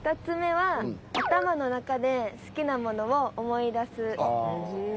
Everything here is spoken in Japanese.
２つ目は「頭の中で好きなものを思い出す」です。